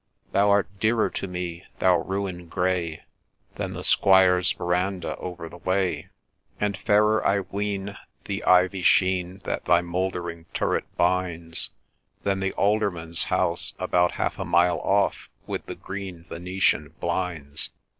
Thou art dearer to me, thou Ruin grey, Than the Squire's verandah over the way ; And fairer, I ween, The ivy sheen That thy mouldering turret binds, Than the Alderman's house about half a mile off, With the green Venetian blinds.